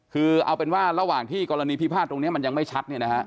คือเอาเป็นว่าระหว่างที่กรณีพิพาทตรงนี้มันยังไม่ชัดเนี่ยนะฮะ